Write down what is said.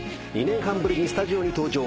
２年半ぶりにスタジオに登場。